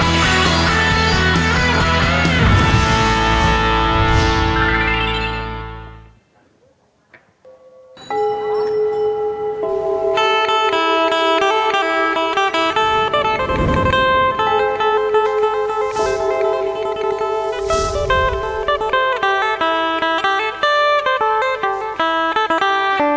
ดรไอมนุ่นครับ